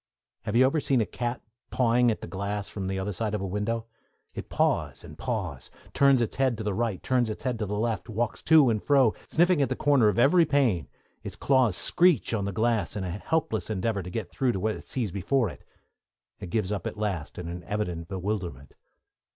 Have you ever seen a cat pawing at the glass from the other side of a window? It paws and paws, turns its head to the right, turns its head to the left, walks to and fro, sniffing at the corner of every pane; its claws screech on the glass, in a helpless endeavour to get through to what it sees before it; it gives up at last, in an evident bewilderment.